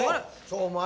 お前！